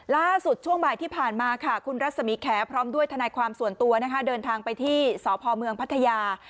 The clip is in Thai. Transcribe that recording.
ล่าสุดช่วงบ่ายที่ผ่านมาค่ะคุณรัศมีแขพร้อมด้วยทนายความส่วนตัวนะคะเดินทางไปที่สพเมืองพัทยา